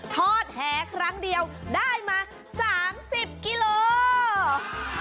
ทอดแหครั้งเดียวได้มา๓๐กิโลกรัม